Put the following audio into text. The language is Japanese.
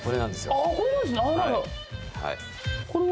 ああこれなんですね？